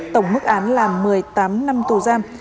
tổng mức án là một mươi tám năm tù giam